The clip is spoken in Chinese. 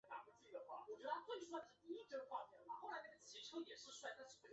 其弟毛温良在她担任闻得大君后任闻得大君加那志大亲职。